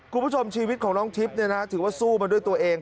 คุณผู้ชมชีวิตของน้องทิพย์ถือว่าสู้มาด้วยตัวเอง